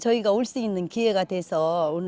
kami datang ke sini untuk berjalan ke sekolah